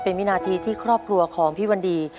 เป็นวินาทีที่ครอบครัวของพี่วันดี